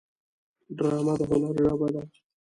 ډرامه د هنر ژبه ده